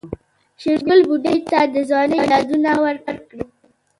شېرګل بوډۍ ته د ځوانۍ يادونه وکړه.